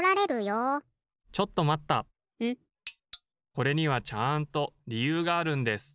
・これにはちゃんとりゆうがあるんです。